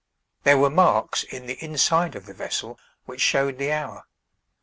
There were marks in the inside of the vessel which showed the hour.